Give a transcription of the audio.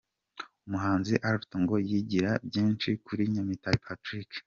Umuhanzi Alto ngo yigira byinshi kuri Nyamitari Patrick.